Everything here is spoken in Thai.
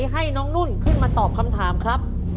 ให้น้องนุ่นขึ้นมาตอบคำถามครับ